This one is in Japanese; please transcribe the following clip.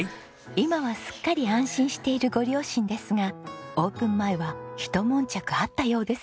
今はすっかり安心しているご両親ですがオープン前はひと悶着あったようですよ。